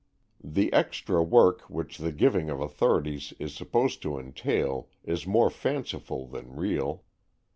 The extra work which the giving of authorities is supposed to entail is more fanciful than real.